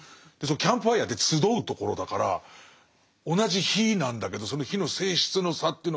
キャンプファイヤーって集うところだから同じ火なんだけどその火の性質の差というのがよく出てますね